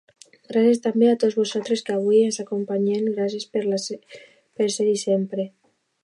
Gràcies, també, a tots vosaltres, que avui ens acompanyeu: gràcies per ser-hi sempre.